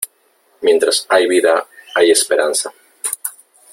Mientras hay vida hay esperanza.